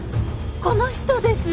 この人です。